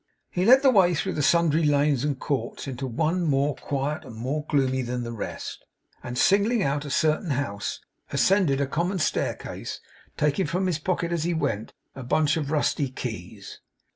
He led the way through sundry lanes and courts, into one more quiet and more gloomy than the rest, and, singling out a certain house, ascended a common staircase; taking from his pocket, as he went, a bunch of rusty keys.